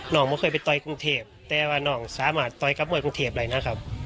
น้องไม่เคยไปต่อยกรุงเทพแต่ว่าน้องสามารถต่อยกับมวยกรุงเทพอะไรนะครับ